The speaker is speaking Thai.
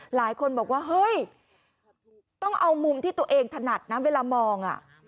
หลายคนบอกว่าเฮ้ยต้องเอามุมที่ตัวเองถนัดนะเวลามอง